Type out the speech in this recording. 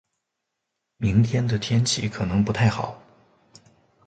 明天的天气可能不太好。